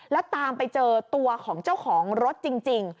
แล้วตามไปเจอตัวของเจ้าของรถจริง